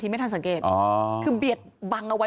พอครูผู้ชายออกมาช่วยพอครูผู้ชายออกมาช่วย